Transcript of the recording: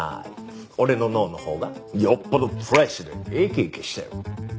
俺の脳のほうがよっぽどフレッシュで生き生きしてる。